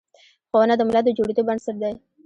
ښوونه د ملت د جوړیدو بنسټ دی.